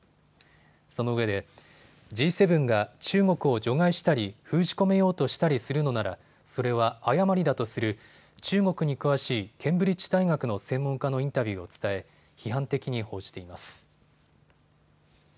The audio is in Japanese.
そのうえでＧ７が中国を除外したり封じ込めようとしたりするのならそれは誤りだとする中国に詳しいケンブリッジ大学の専門家のインタビューを伝え批判的に報じています。